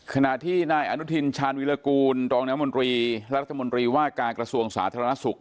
ขณะที่นอนุทินชาญวิรกูลตรมรรัฐมนตรีว่าการกระทรวงสาธารณสุข